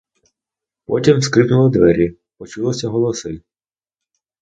Потім скрипнули двері, почулися голоси.